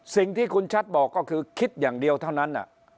สิ่งที่คุณชัดบอกก็คือคิดอย่างเดียวเท่านั้น